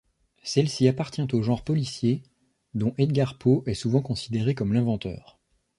Celle-ci appartient au genre policier, dont Edgar Poe est souvent considéré comme l'inventeur.